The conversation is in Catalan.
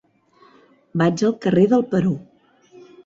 Vaig al carrer del Perú.